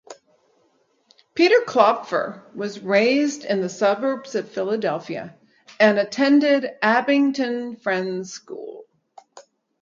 Peter Klopfer was raised in the suburbs of Philadelphia and attended Abington Friends School.